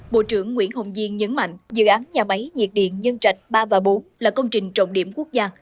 bộ trưởng nguyễn hồng diên nhấn mạnh dự án nhà máy nhiệt điện nhân trạch ba bốn là công trình trọng điểm quốc gia